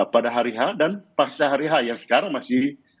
pada hari h dan pasca hari h yang sekarang masih